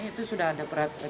itu sudah ada peraturan